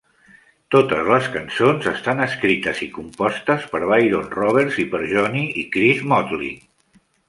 Totes les cançons estan escrites i compostes per Byron Roberts i per Jonny i Chris Maudling.